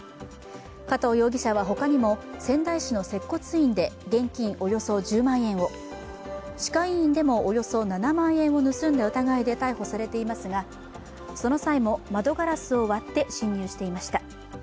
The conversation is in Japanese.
加藤容疑者は他にも仙台市の接骨院で現金およそ１０万円を、歯科医院でもおよそ７万円を盗んだ疑いで逮捕されていますがその際も窓ガラスを割って侵入していました。